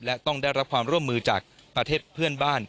และต้องได้รับความร่วมมือจากประเทศเพื่อนบ้าน